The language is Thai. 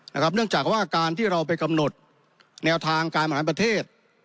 เนื่องจากว่าการที่เราไปกำหนดแนวทางการบริหารประเทศ